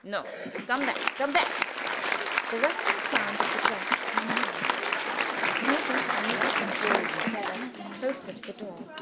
"No! Come back! come back!" The rustling sound of the dress came nearer. Nugent and Mr. Finch moved together closer to the door.